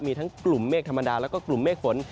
มีทั้งกลุ่มเมฆธรรมดาแล้วก็กลุ่มเมฆฝน